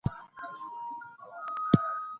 که ته وغواړي نو موږ به یو ځای کار وکړو.